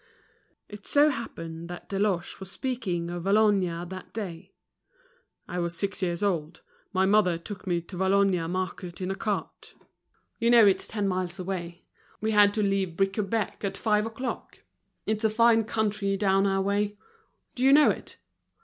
It so happened that Deloche was speaking of Valognes that day. "I was six years old; my mother took me to Valognes market in a cart. You know it's ten miles away; we had to leave Bricquebec at five o'clock. It's a fine country down our way. Do you know it?"